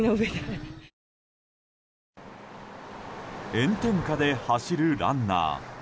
炎天下で走るランナー。